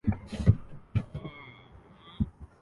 کرتوت کوئی نہیں اور لڑنے کو تیار رہتے ہو